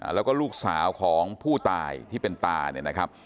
แล้วก็ลูกสาวของผู้ตายที่เป็นตาเนี่ยนะครับ